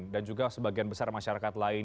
dan juga sebagian besar masyarakat lain